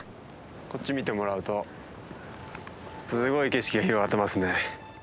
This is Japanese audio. こっち見てもらうとすごい景色が広がってますね。